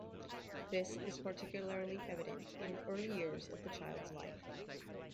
This is particularly evident in the early years of the child's life.